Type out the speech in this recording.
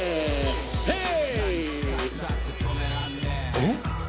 「えっ？」